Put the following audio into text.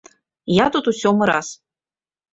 Я тут у сёмы раз.